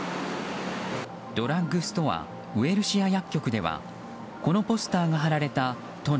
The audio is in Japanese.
ドラッグストアウエルシア薬局ではこのポスターが貼られた都内